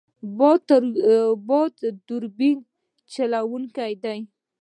باد توربین چلوونکی دی.